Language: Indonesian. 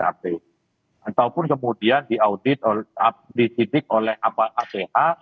ataupun kemudian diaudit disidik oleh apa apa